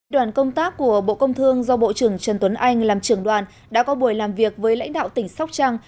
đoàn công tác của bộ công thương do bộ trưởng trần tuấn anh làm trưởng đoàn đã có buổi làm việc với lãnh đạo tỉnh sóc trăng